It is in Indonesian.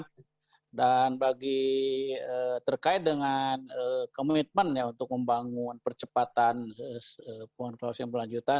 ya dan bagi terkait dengan komitmen untuk membangun percepatan pemerintah asid berkelanjutan